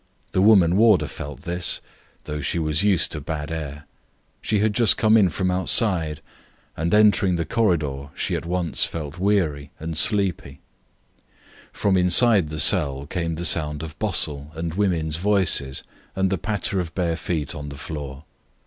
The woman warder felt this, though she was used to bad air. She had just come in from outside, and entering the corridor, she at once became sleepy. From inside the cell came the sound of bustle and women's voices, and the patter of bare feet on the floor.